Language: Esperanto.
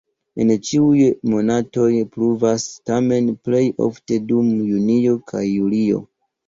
En ĉiuj monatoj pluvas, tamen plej ofte dum junio kaj julio.